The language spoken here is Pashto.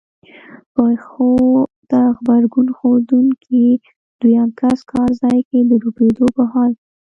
پېښو ته غبرګون ښودونکی دویم کس کار ځای کې د ډوبېدو په حال وي.